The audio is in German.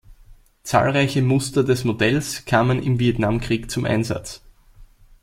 Zahlreiche Muster des Modells kamen im Vietnamkrieg zum Einsatz.